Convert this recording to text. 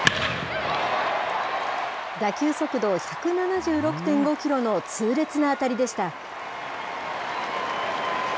打球速度１７６．５キロの痛烈な当たりでした。